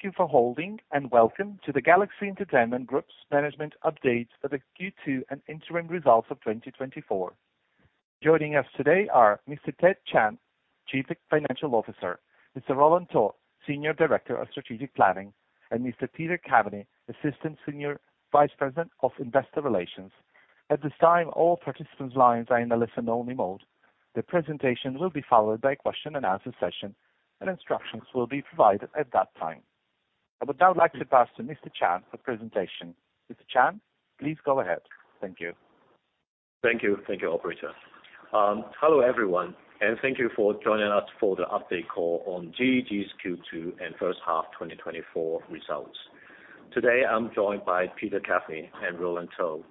Thank you for holding, and welcome to the Galaxy Entertainment Group's management update for the Q2 and interim results of 2024. Joining us today are Mr. Ted Chan, Chief Financial Officer, Mr. Roland To, Senior Director of Strategic Planning, and Mr. Peter Caveny, Assistant Senior Vice President of Investor Relations. At this time, all participants' lines are in a listen-only mode. The presentation will be followed by a question-and-answer session, and instructions will be provided at that time. I would now like to pass to Mr. Chan for presentation. Mr. Chan, please go ahead. Thank you. Thank you. Thank you, operator. Hello, everyone, and thank you for joining us for the update call on GEG's Q2 and first half 2024 results. Today, I'm joined by Peter Caveny and Roland To.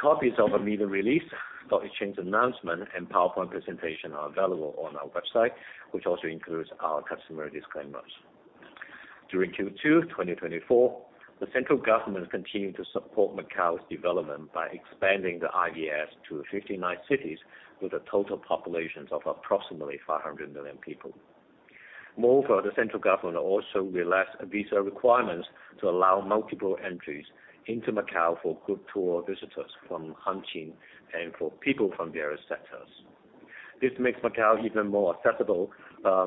Copies of our media release, stock exchange announcement, and PowerPoint presentation are available on our website, which also includes our customary disclaimers. During Q2 2024, the central government continued to support Macau's development by expanding the IVS to 59 cities, with a total population of approximately 500 million people. Moreover, the central government also relaxed visa requirements to allow multiple entries into Macau for group tour visitors from Hengqin and for people from various sectors. This makes Macau even more accessible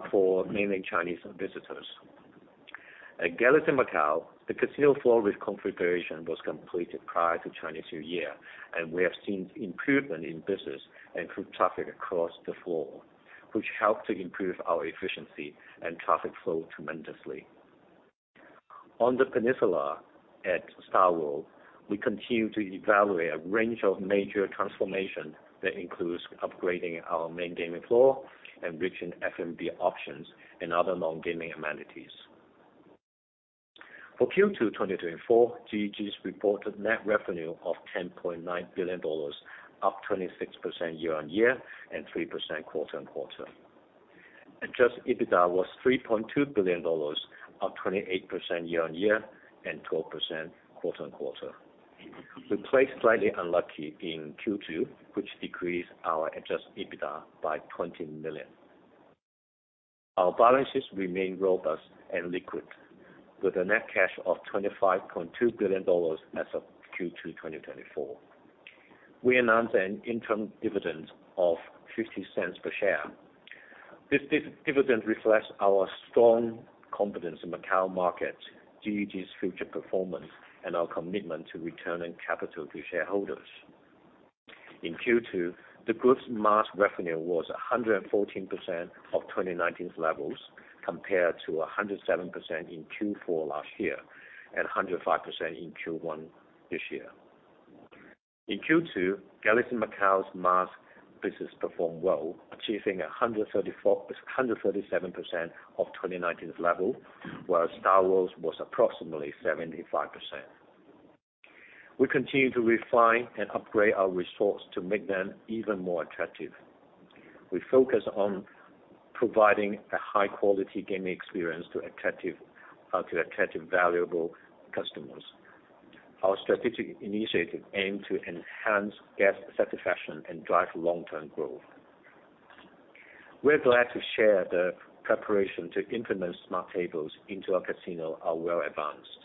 for mainland Chinese visitors. At Galaxy Macau, the casino floor reconfiguration was completed prior to Chinese New Year, and we have seen improvement in business and foot traffic across the floor, which helped to improve our efficiency and traffic flow tremendously. On the peninsula at StarWorld, we continue to evaluate a range of major transformation that includes upgrading our main gaming floor, enriching F&B options, and other non-gaming amenities. For Q2 2024, GEG's reported net revenue of 10.9 billion dollars, up 26% year-on-year and 3% quarter-on-quarter. Adjusted EBITDA was 3.2 billion dollars, up 28% year-on-year and 12% quarter-on-quarter. We played slightly unlucky in Q2, which decreased our adjusted EBITDA by 20 million. Our balances remain robust and liquid, with a net cash of 25.2 billion dollars as of Q2 2024. We announced an interim dividend of HK$0.50 per share. This dividend reflects our strong confidence in Macau market, GEG's future performance, and our commitment to returning capital to shareholders. In Q2, the group's mass revenue was 114% of 2019's levels, compared to 107% in Q4 last year, and 105% in Q1 this year. In Q2, Galaxy Macau's mass business performed well, achieving 134, 137% of 2019's level, while StarWorld's was approximately 75%. We continue to refine and upgrade our resorts to make them even more attractive. We focus on providing a high-quality gaming experience to attractive, to attractive, valuable customers. Our strategic initiatives aim to enhance guest satisfaction and drive long-term growth. We're glad to share the preparation to implement smart tables into our casino are well advanced.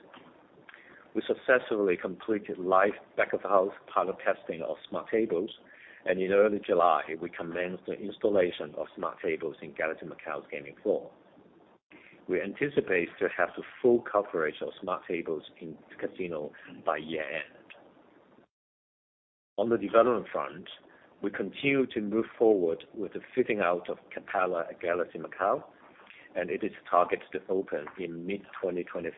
We successfully completed live back-of-the-house pilot testing of smart tables, and in early July, we commenced the installation of smart tables in Galaxy Macau's gaming floor. We anticipate to have the full coverage of smart tables in the casino by year-end. On the development front, we continue to move forward with the fitting out of Capella at Galaxy Macau, and it is targeted to open in mid-2025,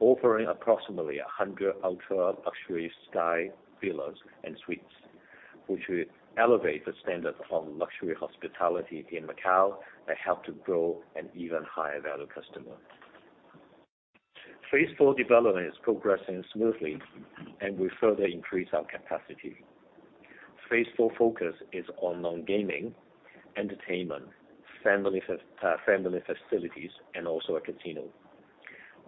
offering approximately 100 ultra-luxury sky villas and suites, which will elevate the standard of luxury hospitality in Macau and help to grow an even higher value customer. Phase Four development is progressing smoothly, and we further increase our capacity. Phase Four focus is on non-gaming, entertainment, family facilities, and also a casino.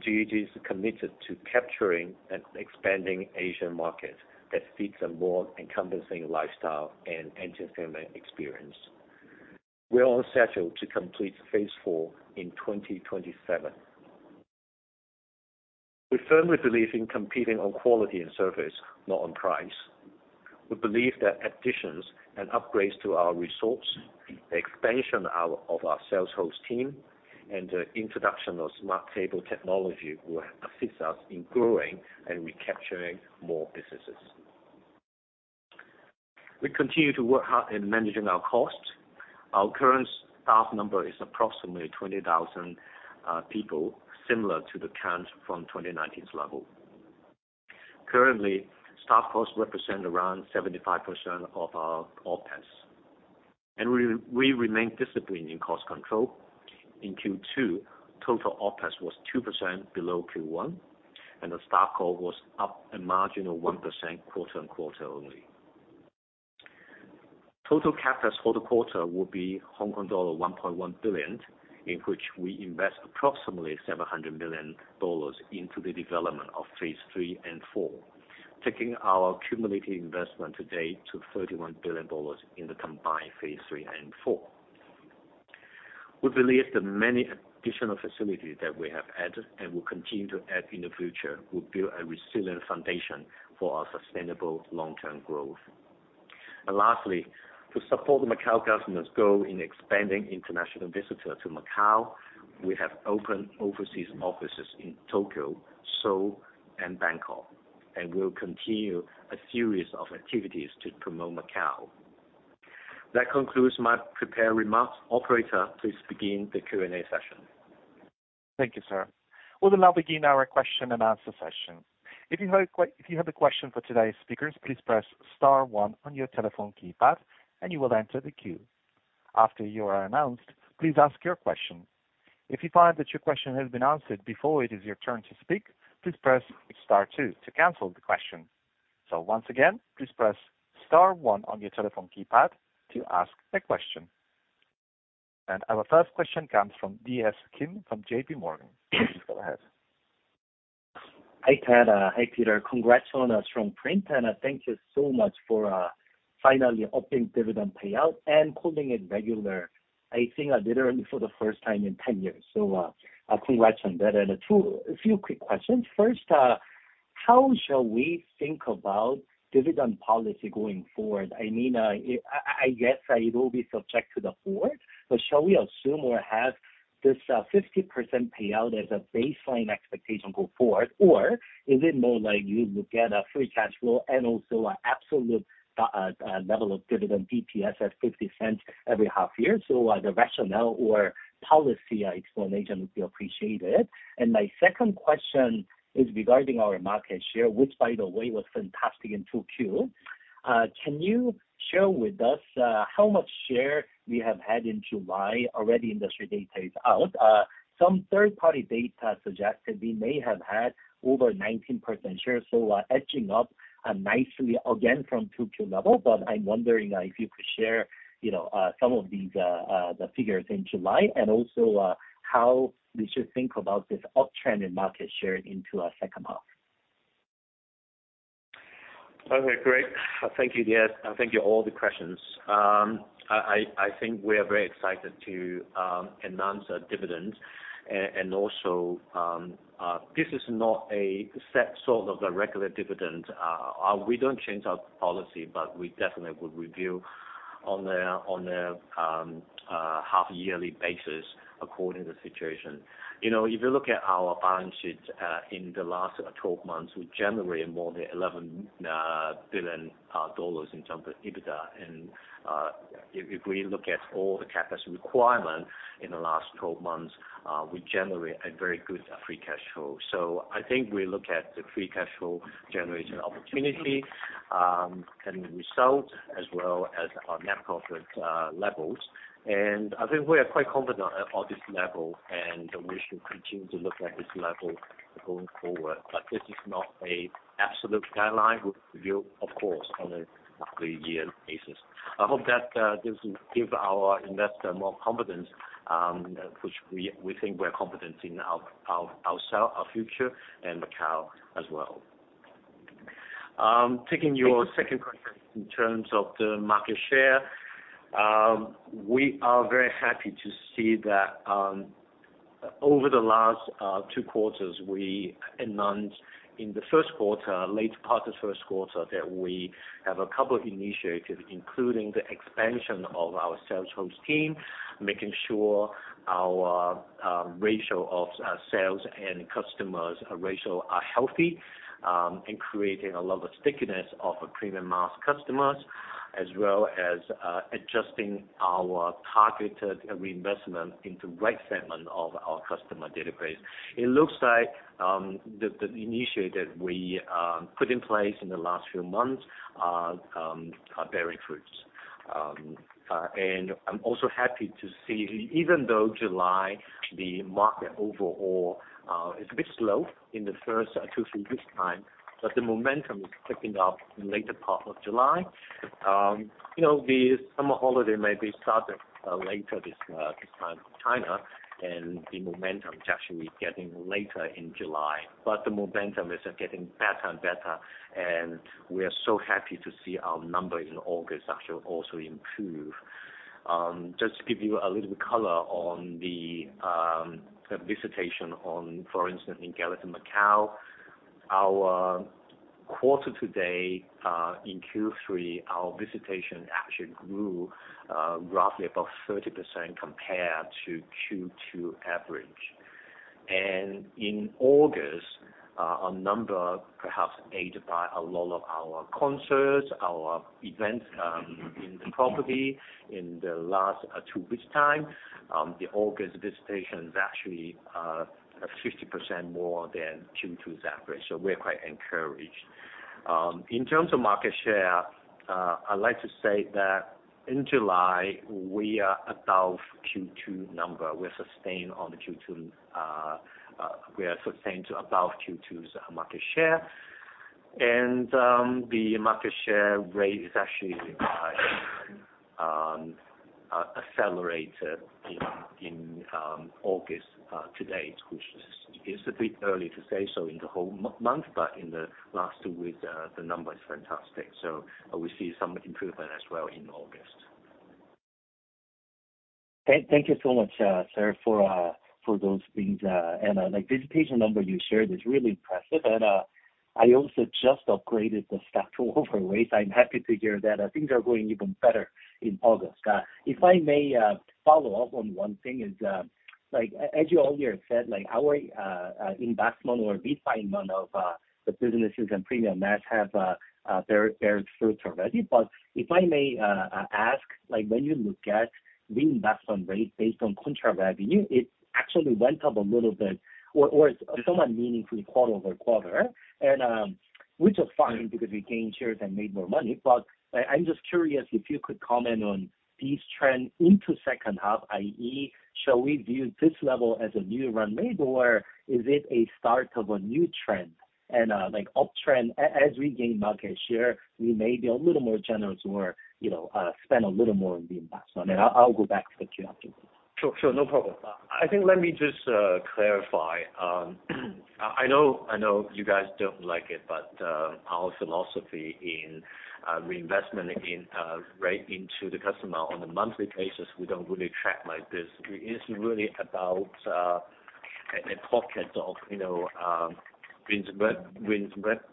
GEG is committed to capturing and expanding Asian market that seeks a more encompassing lifestyle and entertainment experience. We're on schedule to complete Phase Four in 2027. We firmly believe in competing on quality and service, not on price. We believe that additions and upgrades to our resorts, expansion our, of our sales host team, and the introduction of smart table technology will assist us in growing and recapturing more businesses. We continue to work hard in managing our costs. Our current staff number is approximately 20,000 people, similar to the trends from 2019's level. Currently, staff costs represent around 75% of our OpEx, and we remain disciplined in cost control. In Q2, total OpEx was 2% below Q1, and the staff cost was up a marginal 1% quarter-on-quarter only. Total CapEx for the quarter will be Hong Kong dollar 1.1 billion, in which we invest approximately 700 million dollars into the development of Phase Three and Four, taking our cumulative investment to date to 31 billion dollars in the combined phase three and four. We believe the many additional facilities that we have added and will continue to add in the future will build a resilient foundation for our sustainable long-term growth. Lastly, to support the Macau government's goal in expanding international visitors to Macau, we have opened overseas offices in Tokyo, Seoul and Bangkok, and we will continue a series of activities to promote Macau. That concludes my prepared remarks. Operator, please begin the Q&A session. Thank you, sir. We'll now begin our question and answer session. If you have a question for today's speakers, please press star one on your telephone keypad, and you will enter the queue. After you are announced, please ask your question. If you find that your question has been answered before it is your turn to speak, please press star two to cancel the question. Once again, please press star one on your telephone keypad to ask a question. Our first question comes from DS Kim from J.P. Morgan. Please go ahead. Hi, Ted. Hi, Peter. Congrats on a strong print, and thank you so much for finally upping dividend payout and holding it regular. I think I literally for the first time in 10 years, so, congrats on that. And a few quick questions. First, how shall we think about dividend policy going forward? I mean, I guess it will be subject to the board, but shall we assume or have this 50% payout as a baseline expectation go forward? Or is it more like you look at a free cash flow and also an absolute level of dividend DPS at 0.50 every half year? So, the rationale or policy explanation would be appreciated. And my second question is regarding our market share, which by the way, was fantastic in 2Q. Can you share with us how much share we have had in July? Already industry data is out. Some third-party data suggested we may have had over 19% share, so edging up nicely again from 2Q level. But I'm wondering if you could share, you know, some of these the figures in July, and also how we should think about this uptrend in market share into second half. Okay, great. Thank you, DS, and thank you all the questions. I think we are very excited to announce a dividend. And also, this is not a set sort of a regular dividend. We don't change our policy, but we definitely would review on a half yearly basis according to the situation. You know, if you look at our balance sheet, in the last 12 months, we generated more than 11 billion dollars in terms of EBITDA. And if we look at all the capital requirements in the last 12 months, we generate a very good free cash flow. So I think we look at the free cash flow generation opportunity, and the results as well as our net profit levels. I think we are quite confident at this level, and we should continue to look at this level going forward. But this is not an absolute guideline. We'll review, of course, on a yearly basis. I hope that this will give our investors more confidence, which we think we're confident in ourselves, our future and Macau as well. Taking your second question in terms of the market share, we are very happy to see that, over the last two quarters, we announced in the first quarter, late part of first quarter, that we have a couple of initiatives, including the expansion of our sales host team, making sure our ratio of sales and customers ratio are healthy, and creating a lot of stickiness of a premium mass customers, as well as adjusting our targeted reinvestment into right segment of our customer database. It looks like the initiative we put in place in the last few months are bearing fruits. And I'm also happy to see, even though July, the market overall is a bit slow in the first 2, 3 weeks time, but the momentum is picking up in later part of July. You know, the summer holiday may be started later this time for China, and the momentum is actually getting later in July. But the momentum is getting better and better, and we are so happy to see our numbers in August actually also improve. Just to give you a little bit color on the visitation on, for instance, in Galaxy Macau, our quarter to date in Q3, our visitation actually grew roughly about 30% compared to Q2 average. In August, our number perhaps aided by a lot of our concerts, our events, in the property in the last two weeks' time, the August visitation is actually 50% more than Q2's average, so we're quite encouraged. In terms of market share, I'd like to say that in July we are above Q2 number. We are sustained on the Q2, we are sustained to above Q2's market share, and the market share rate is actually accelerated in August to date, which is a bit early to say so in the whole month, but in the last two weeks the number is fantastic. So we see some improvement as well in August. Thank you so much, sir, for those things. And like visitation number you shared is really impressive. And I also just upgraded the stock to overweight. I'm happy to hear that things are going even better in August. If I may follow up on one thing is, like as you earlier said, like our investment or refi money of the businesses and premium mass have bear fruits already. But if I may ask, like when you look at the investment rate based on contract revenue, it actually went up a little bit or somewhat meaningfully quarter-over-quarter. And which is fine because we gained shares and made more money. But I, I'm just curious if you could comment on these trends into second half, i.e., shall we view this level as a new runway, or is it a start of a new trend? And, like uptrend as we gain market share, we may be a little more generous or, you know, spend a little more on the investment. And I'll, I'll go back to you after this. Sure, sure, no problem. I think let me just clarify. I know, I know you guys don't like it, but our philosophy in reinvestment right into the customer on a monthly basis, we don't really track like this. It is really about a pocket of, you know,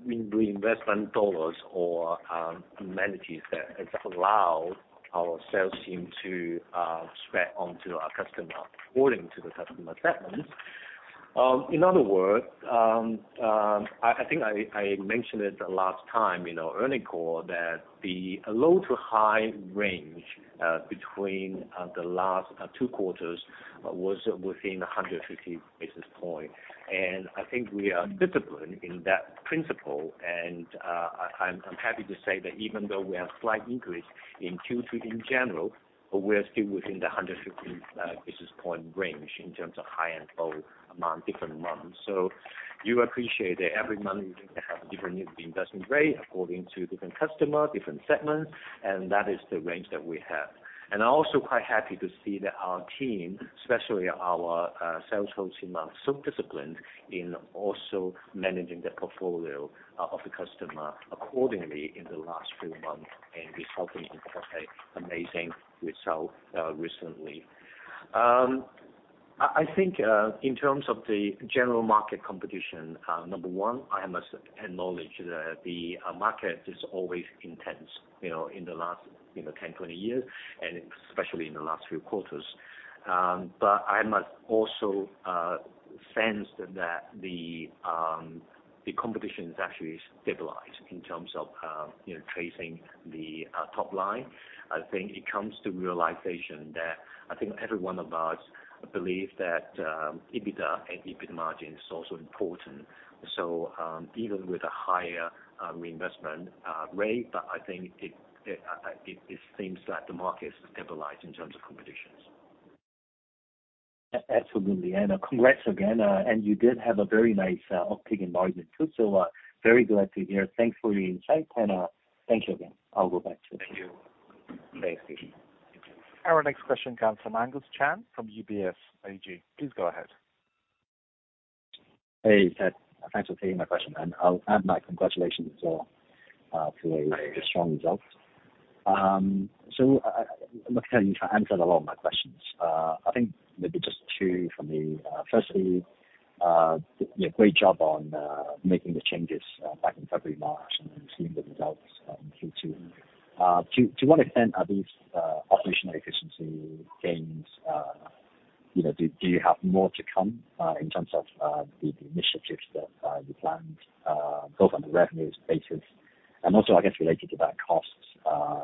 reinvestment dollars or amenities that has allowed our sales team to spread onto our customer according to the customer segments. In other words, I think I mentioned it last time in our earnings call, that the low to high range between the last two quarters was within 150 basis points. I think we are disciplined in that principle, and I'm happy to say that even though we have slight increase in Q2 in general, but we are still within the 150 basis point range in terms of high and low among different months. So you appreciate that every month we have a different investment rate according to different customer, different segments, and that is the range that we have. And I'm also quite happy to see that our team, especially our sales team, are so disciplined in also managing the portfolio of the customer accordingly in the last few months, and it's helping us have an amazing result recently. I think, in terms of the general market competition, number one, I must acknowledge that the market is always intense, you know, in the last, you know, 10, 20 years, and especially in the last few quarters. But I must also sense that the competition is actually stabilized in terms of, you know, tracing the top line. I think it comes to realization that I think every one of us believe that EBITDA and EBIT margin is also important. So, even with a higher reinvestment rate, but I think it seems that the market is stabilized in terms of competitions. Absolutely. And congrats again. And you did have a very nice uptick in margin too, so very glad to hear. Thanks for your insight, and thank you again. I'll go back to you. Thank you. Thank you. Our next question comes from Angus Chan, from UBS AG. Please go ahead. Hey, Ted. Thanks for taking my question, and I'll add my congratulations as well, to a strong result. So, looking at you, you answered a lot of my questions. I think maybe just two for me. Firstly, great job on making the changes back in February, March, and then seeing the results in Q2. To what extent are these operational efficiency gains, you know, do you have more to come in terms of the initiatives that you planned both on the revenues basis and also, I guess, related to that, costs?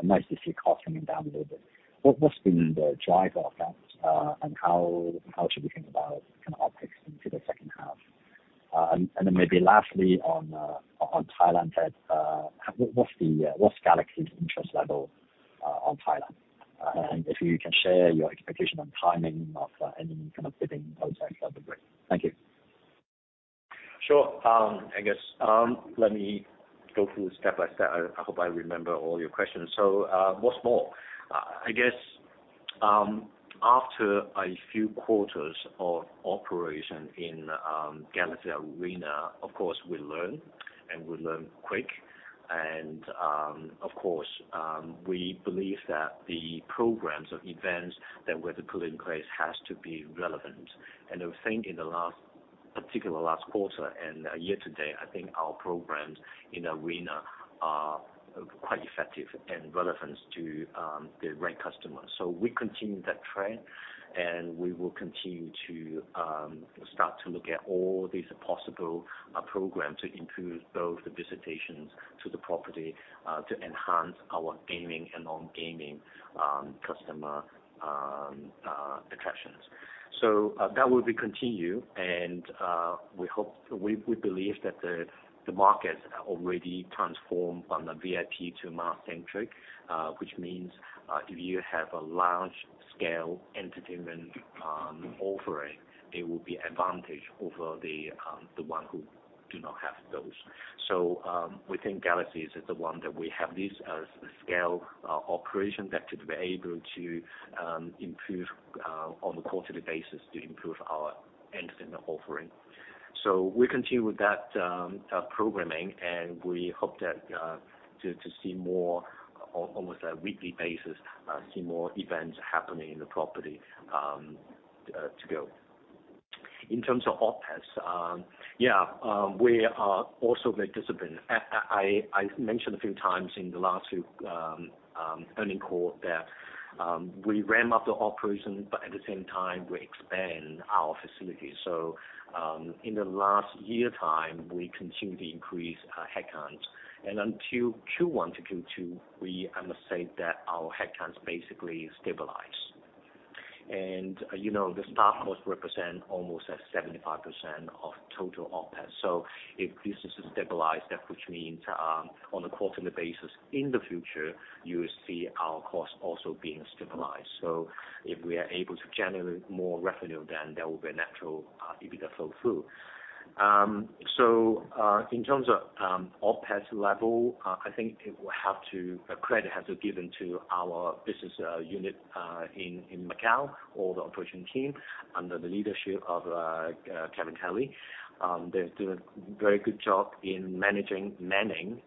Nice to see costs coming down a little bit. What's been the driver of that, and how should we think about kind of optics into the second half? And then maybe lastly, on Thailand, Ted, what's Galaxy's interest level on Thailand? And if you can share your expectation on timing of any kind of bidding, that would be great. Thank you. Sure, Angus. Let me go through step by step. I hope I remember all your questions. So, what's more? I guess, after a few quarters of operation in, Galaxy Arena, of course, we learn, and we learn quick. And, of course, we believe that the programs or events that we're putting in place has to be relevant. And I think in the last, particular last quarter and year to date, I think our programs in Arena are quite effective and relevant to, the right customers. So we continue that trend, and we will continue to, start to look at all these possible, programs to improve both the visitations to the property, to enhance our gaming and non-gaming, customer, attractions. So, that will continue, and we hope—we believe that the market already transformed from the VIP to mass centric, which means if you have a large-scale entertainment offering, it will be an advantage over the one who do not have those. So, within Galaxy is the one that we have this scale operation that should be able to improve on a quarterly basis, to improve our entertainment offering. So we continue with that, that programming, and we hope that to see more on almost a weekly basis, see more events happening in the property, to go. In terms of OpEx, yeah, we are also very disciplined. I mentioned a few times in the last few earnings call that we ramp up the operation, but at the same time, we expand our facilities. So, in the last year time, we continue to increase our headcounts. Until Q1 to Q2, we, I must say that our headcounts basically stabilize. And, you know, the staff cost represent almost 75% of total OpEx. So if this is stabilized, that which means, on a quarterly basis in the future, you will see our cost also being stabilized. So if we are able to generate more revenue, then there will be a natural EBITDA flow through. In terms of OpEx level, I think it will have to... Credit has to given to our business unit in Macau or the operation team under the leadership of Kevin Kelley. They're doing very good job in managing manning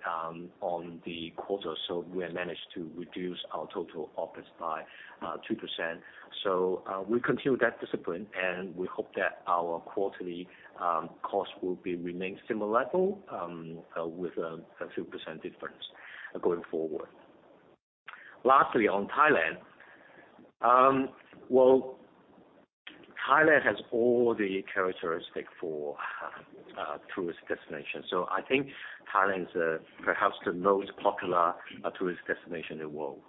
on the quarter, so we have managed to reduce our total OpEx by 2%. So we continue that discipline, and we hope that our quarterly cost will be remain similar level with a few percent difference going forward. Lastly, on Thailand. Well, Thailand has all the characteristic for tourist destination. So I think Thailand is perhaps the most popular tourist destination in the world.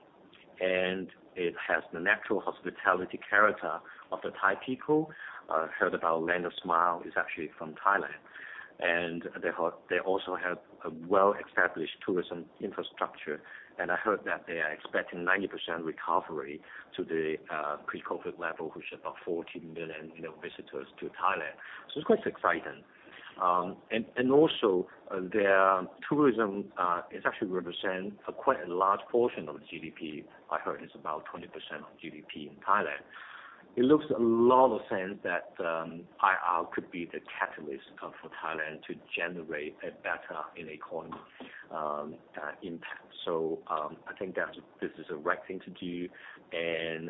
And it has the natural hospitality character of the Thai people. Heard about Land of Smiles is actually from Thailand. And they also have a well-established tourism infrastructure, and I heard that they are expecting 90% recovery to the pre-COVID level, which is about 14 million, you know, visitors to Thailand. So it's quite exciting. And also, their tourism is actually represent a quite a large portion of the GDP. I heard it's about 20% of GDP in Thailand. It looks a lot of sense that IR could be the catalyst for Thailand to generate a better in economy impact. So I think that this is the right thing to do. And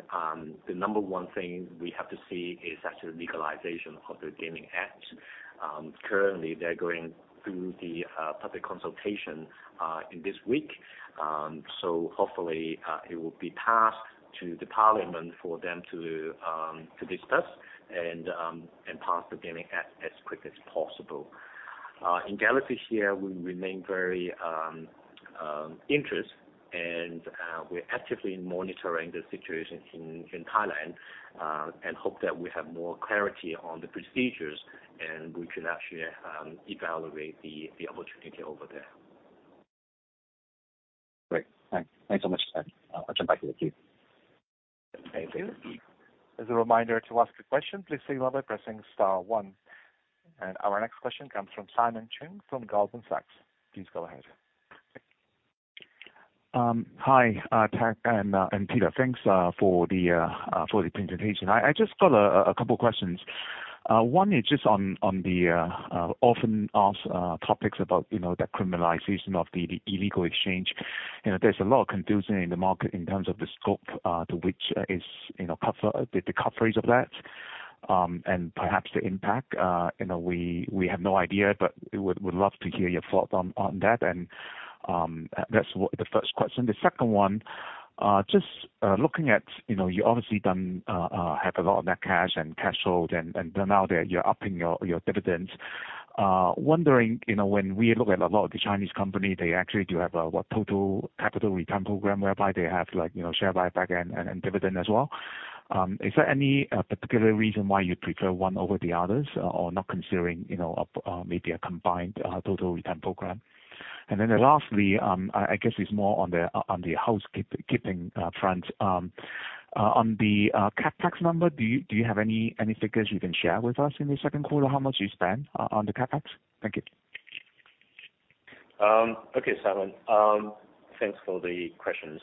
the number one thing we have to see is actually the legalization of the gaming act. Currently, they're going through the public consultation in this week. So hopefully, it will be passed to the parliament for them to discuss and pass the gaming act as quick as possible. In Galaxy here, we remain very interested, and we're actively monitoring the situation in Thailand, and hope that we have more clarity on the procedures, and we could actually evaluate the opportunity over there. Great. Thanks. Thanks so much, Ted. I'll jump back to you. Thank you. As a reminder to ask a question, please signal by pressing star one. Our next question comes from Simon Cheung from Goldman Sachs. Please go ahead. Hi, Ted and Peter. Thanks for the presentation. I just got a couple questions. One is just on the often asked topics about, you know, the criminalization of the illegal exchange. You know, there's a lot of confusion in the market in terms of the scope to which is, you know, the coverage of that, and perhaps the impact. You know, we have no idea, but we would love to hear your thoughts on that. That's the first question. The second one, just looking at, you know, you obviously have a lot of net cash and cash hold, and now that you're upping your dividends. Wondering, you know, when we look at a lot of the Chinese company, they actually do have a total capital return program, whereby they have, like, you know, share buyback and dividend as well. Is there any particular reason why you prefer one over the others, or not considering, you know, maybe a combined total return program? And then lastly, I guess it's more on the housekeeping front. On the CapEx number, do you have any figures you can share with us in the second quarter? How much you spend on the CapEx? Thank you. Okay, Simon. Thanks for the questions.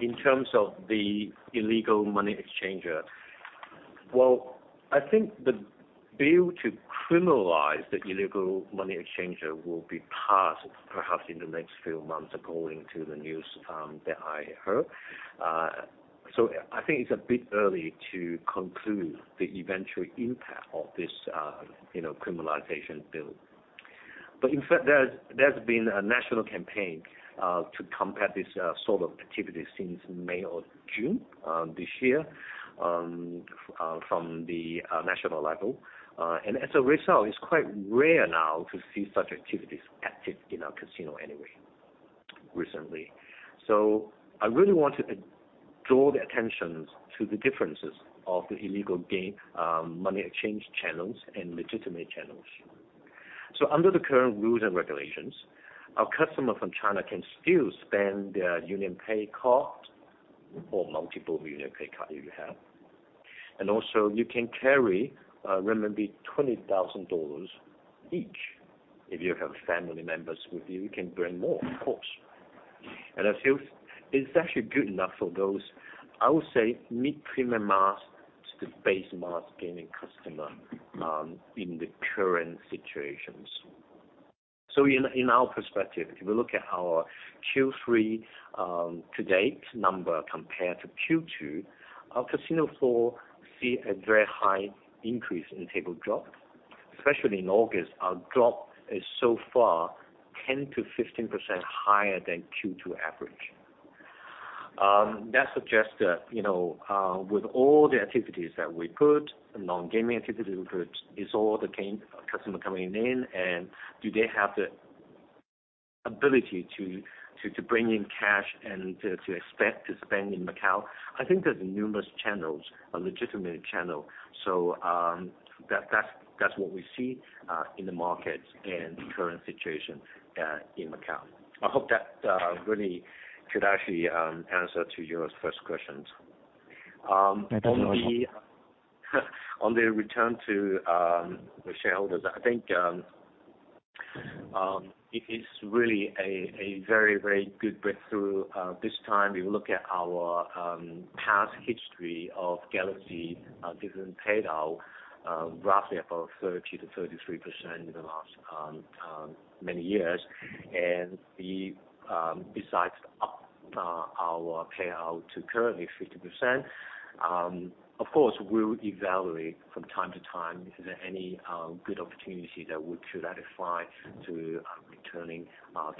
In terms of the illegal money exchanger, well, I think the bill to criminalize the illegal money exchanger will be passed perhaps in the next few months, according to the news that I heard. So I think it's a bit early to conclude the eventual impact of this, you know, criminalization bill. But in fact, there's been a national campaign to combat this sort of activity since May or June this year from the national level. And as a result, it's quite rare now to see such activities active in our casino anyway, recently. So I really want to draw the attention to the differences of the illegal gaming money exchange channels and legitimate channels. Under the current rules and regulations, our customer from China can still spend their UnionPay card or multiple UnionPay card if you have. And also, you can carry renminbi CNY 20,000 each. If you have family members with you, you can bring more, of course. And I feel it's actually good enough for those, I would say, mid-premium mass to the base mass gaming customer in the current situations. So in our perspective, if you look at our Q3 to date number compared to Q2, our casino floor see a very high increase in table drop, especially in August. Our drop is so far 10%-15% higher than Q2 average. That suggests that, you know, with all the activities that we put, the non-gaming activities we put, is all the gaming customer coming in, and do they have the ability to bring in cash and to expect to spend in Macau? I think there's numerous channels, a legitimate channel. That's what we see in the market and the current situation in Macau. I hope that really should actually answer to your first questions. On the return to the shareholders, I think it is really a very, very good breakthrough. This time, we look at our past history of Galaxy, dividend payout, roughly about 30%-33% in the last many years. Besides our payout to currently 50%, of course, we'll evaluate from time to time is there any good opportunity that we could identify to returning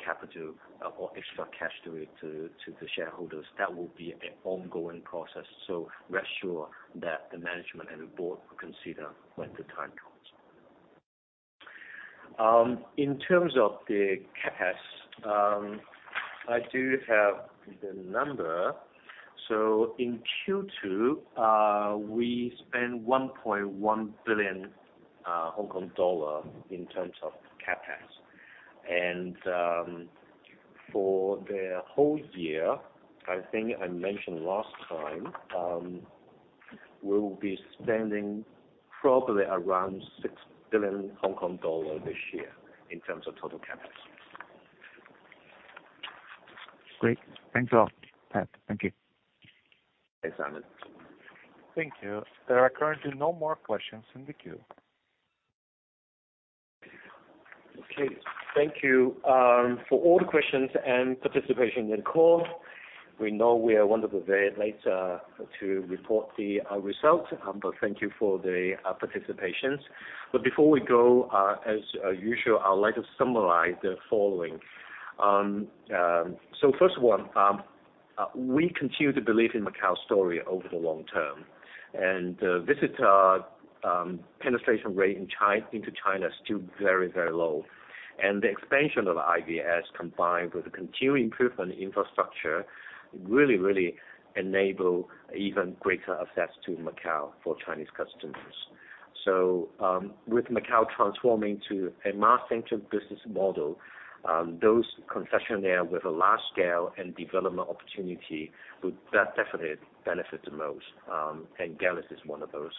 capital or extra cash to the shareholders. That will be an ongoing process, so rest assured that the management and the board will consider when the time comes. In terms of the CapEx, I do have the number. So in Q2, we spent 1.1 billion Hong Kong dollar in terms of CapEx. For the whole year, I think I mentioned last time, we'll be spending probably around 6 billion Hong Kong dollars this year in terms of total CapEx. Great. Thanks a lot, Ted. Thank you. Thanks, Angus. Thank you. There are currently no more questions in the queue. Okay, thank you for all the questions and participation in the call. We know we are wonderful very late to report the results, but thank you for the participation. But before we go, as usual, I would like to summarize the following. So first of one, we continue to believe in Macau story over the long term. And visitor penetration rate into China is still very, very low. And the expansion of IVS, combined with the continued improvement in infrastructure, really, really enable even greater access to Macau for Chinese customers. So with Macau transforming to a mass-centric business model, those concessionaire with a large scale and development opportunity would definitely benefit the most, and Galaxy is one of those.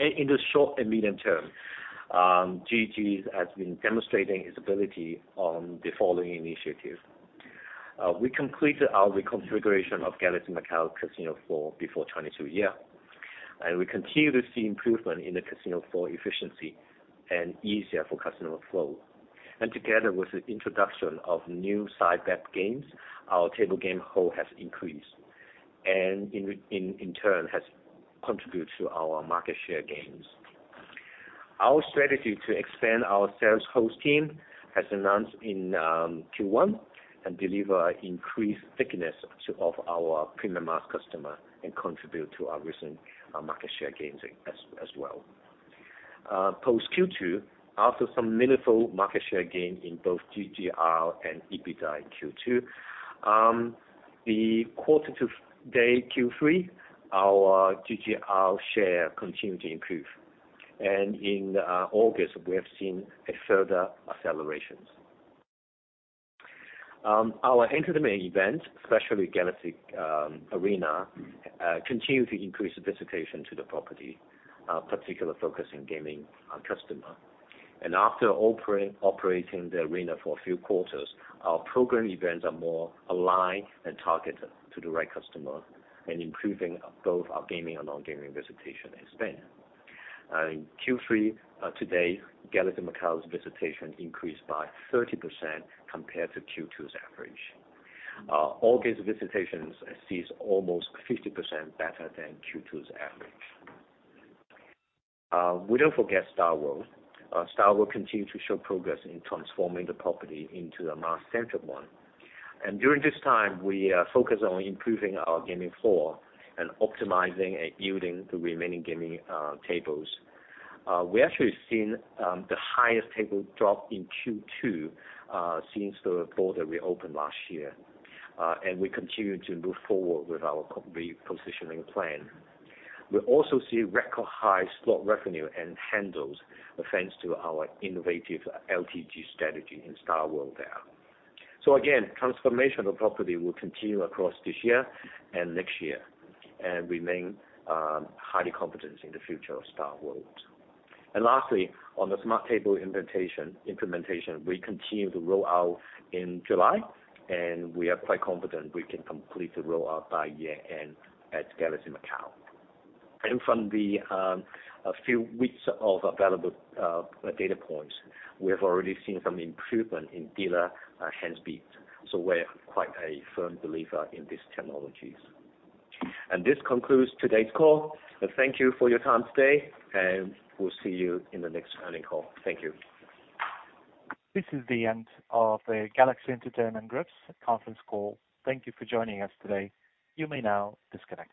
In the short and medium term, GG has been demonstrating its ability on the following initiative. We completed our reconfiguration of Galaxy Macau casino floor before 2022, and we continue to see improvement in the casino floor efficiency and easier for customer flow. And together with the introduction of new side bet games, our table game hold has increased and in turn has contributed to our market share gains. Our strategy to expand our sales host team has announced in Q1 and deliver increased thickness to of our premium mass customer and contribute to our recent market share gains as well. Post-Q2, after some meaningful market share gain in both GGR and EBITDA in Q2, the quarter to date, Q3, our GGR share continued to improve. And in August, we have seen a further accelerations. Our entertainment events, especially Galaxy Arena, continue to increase visitation to the property, particular focus in gaming customer. After operating the arena for a few quarters, our program events are more aligned and targeted to the right customer and improving both our gaming and non-gaming visitation and spend. In Q3 to date, Galaxy Macau's visitation increased by 30% compared to Q2's average. August visitations sees almost 50% better than Q2's average. We don't forget StarWorld. StarWorld continues to show progress in transforming the property into a mass-centric one. During this time, we focus on improving our gaming floor and optimizing and yielding the remaining gaming tables. We actually seen the highest table drop in Q2 since the border reopened last year. And we continue to move forward with our positioning plan. We also see record high slot revenue and handles, thanks to our innovative ETG strategy in StarWorld there. So again, transformational property will continue across this year and next year, and remain highly competent in the future of StarWorld. And lastly, on the smart table implementation, we continue to roll out in July, and we are quite confident we can complete the rollout by year-end at Galaxy Macau. And from a few weeks of available data points, we have already seen some improvement in dealer hand speed, so we're quite a firm believer in these technologies. And this concludes today's call. Thank you for your time today, and we'll see you in the next earnings call. Thank you. This is the end of the Galaxy Entertainment Group's Conference Call. Thank you for joining us today. You may now disconnect.